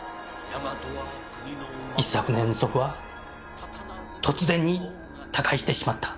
一昨年祖父は突然に他界してしまった。